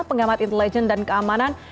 pengamat intelijen dan keamanan